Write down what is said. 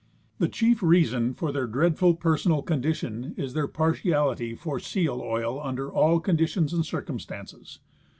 The chief reason for their dreadful personal condition is their partialit}^ for seal oil under all condi tions and circumstances.